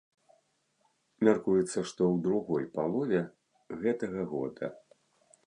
Мяркуецца, што ў другой палове гэтага года.